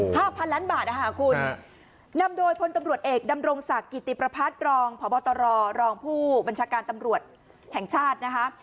พันล้านบาทนะคะคุณนำโดยพลตำรวจเอกดำรงศักดิ์กิติประพัฒน์รองพบตรรองผู้บัญชาการตำรวจแห่งชาตินะคะ